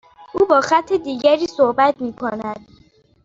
او با خط دیگری صحبت میکند.